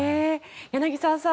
柳澤さん